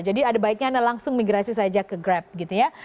jadi ada baiknya anda langsung migrasi saja ke grab gitu ya